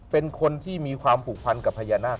เป็นคนที่มีความผูกพันกับพญานาค